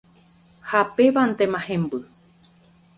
Ha pévantema hemby.